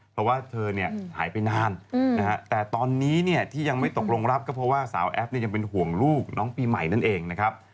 เพราะว่าเธอเนี่ยหายไปนานนะฮะแต่ตอนนี้เนี่ยที่ยังไม่ตกลงรับก็เพราะว่าสาวแอฟยังเป็นห่วงลูกน้องปีใหม่นั่นเองนะครับ